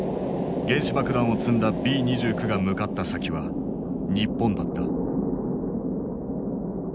原子爆弾を積んだＢ２９が向かった先は日本だった。